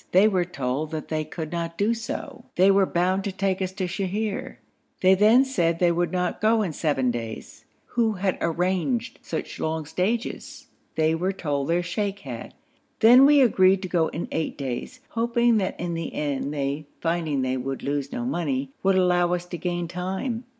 They were told that they could not do so: they were bound to take us to Sheher. They then said they would not go in seven days who had arranged such long stages? They were told their sheikh had. Then we agreed to go in eight days, hoping that in the end they, finding they would lose no money, would allow us to gain time.